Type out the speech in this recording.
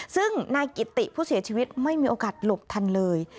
ซึ่งนายกิติผู้เสียชีวิตไม่มีโอกาสหลบทันเลย